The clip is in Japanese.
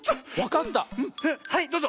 はいどうぞ。